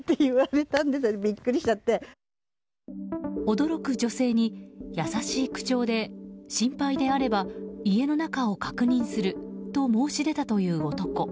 驚く女性に優しい口調で、心配であれば家の中を確認すると申し出たという男。